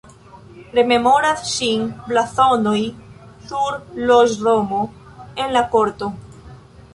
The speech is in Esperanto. Rememoras ŝin blazonoj sur loĝdomo en la korto.